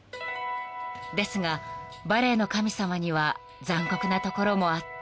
［ですがバレーの神様には残酷なところもあって］